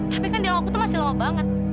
tapi kan dialogku itu masih lama banget